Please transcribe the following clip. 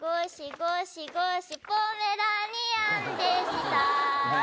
ごしごし、ポメラニアンでした。